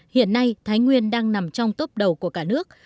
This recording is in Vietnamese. hiện nay thái nguyên đang nằm trong tốp đầu của cả nước